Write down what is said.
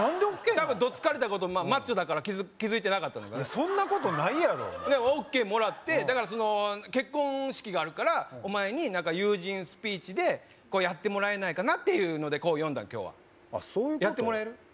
たぶんどつかれたことマッチョだから気づいてなかったそんなことないやろＯＫもらってだからその結婚式があるからお前に友人スピーチでやってもらえないかなっていうので呼んだん今日はそういうことやってもらえる？